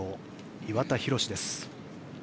岩田寛です。